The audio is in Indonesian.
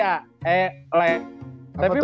kayaknya pada tujuh tuh kalau gue liat